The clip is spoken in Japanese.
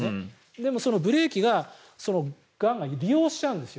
でも、そのブレーキをがんが利用しちゃうんですよ。